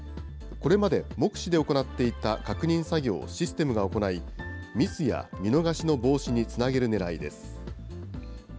これまで目視で行っていた確認作業をシステムが行い、ミスや見逃しの防止につなげるねらいです。